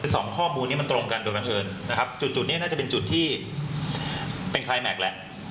สองข้อมูลนี้มันตรงกันโดรนเทิร์นจุดนี้น่าจะเป็นจุดที่เป็นไคแมคแหละ